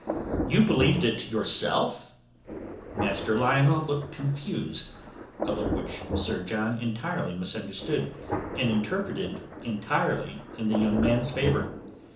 You believed it yourself?" Master Lionel looked confused, a look which Sir John entirely misunderstood and interpreted entirely in the young man's favour.